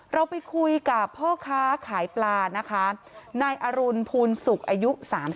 เราไปคุยกับพ่อค้าขายปลานะคะนายอรุณภูลศุกร์อายุ๓๒